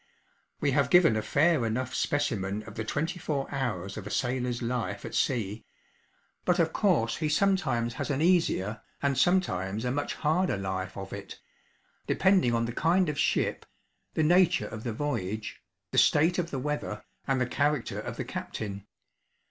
We have given a fair enough specimen of the twenty four hours of a sailor's life at sea; but of course he sometimes has an easier, and sometimes a much harder life of it depending on the kind of ship, the nature of the voyage, the state of the weather, and the character of the captain.